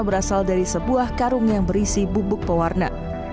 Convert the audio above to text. berasal dari sebuah karung yang berisi bubuk pewarna